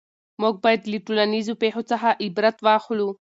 موږ باید له ټولنیزو پېښو څخه عبرت واخلو.